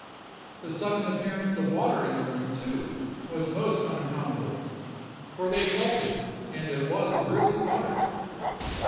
The sudden appearance of water in the room too was most unaccountable; for they felt it, and it was really water.